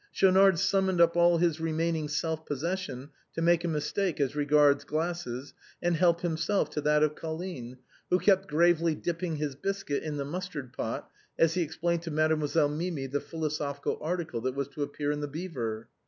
Schaunard summoned up all his remaining self possession to make a mistake as regards glasses, and help himself to that of Colline, who kept gravely dipping his biscuit in the mustard pot as he explained to Mademoiselle Mimi the philosophical article that was to appear in " The Beaver."